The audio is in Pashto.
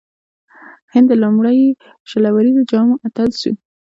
هند د لومړي شل اووريز جام اتل سو.